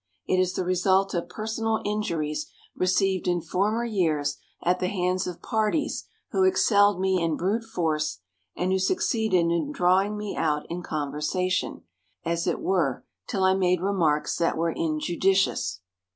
It is the result of personal injuries received in former years at the hands of parties who excelled me in brute force and who succeeded in drawing me out in conversation, as it were, till I made remarks that were injudicious.